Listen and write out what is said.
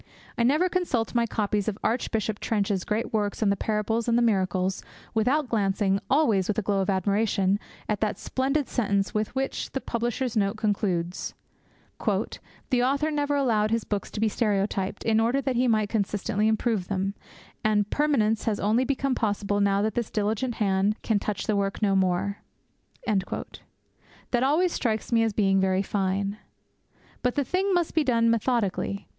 I never consult my copies of Archbishop Trench's great works on The Parables and The Miracles without glancing, always with a glow of admiration, at that splendid sentence with which the 'Publisher's Note' concludes: 'The author never allowed his books to be stereotyped, in order that he might constantly improve them, and permanence has only become possible now that his diligent hand can touch the work no more.' That always strikes me as being very fine. But the thing must be done methodically.